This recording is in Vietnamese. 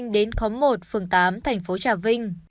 đến khóm một phường tám tp trà vinh